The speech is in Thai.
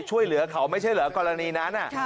ช่วยเหลือเขาไม่ใช่เหรอกรณีนั้น